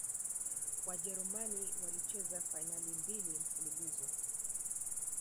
wajerumani walicheza fainali mbili mfululizo